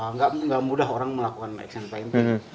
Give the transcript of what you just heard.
nggak mudah orang melakukan macan painting